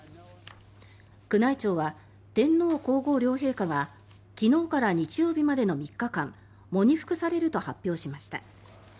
宮内庁は天皇・皇后両陛下が昨日から日曜日までの３日間喪に服されると発表しました。